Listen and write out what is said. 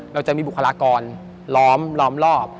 เราจะมีบุคลากรล้อมล้อมรอบ